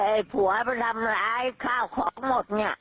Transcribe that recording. ไอ้ผัวไปทำร้ายข้าวของหมดเนี่ย